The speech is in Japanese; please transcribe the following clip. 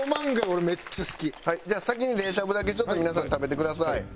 先に冷しゃぶだけちょっと皆さん食べてください。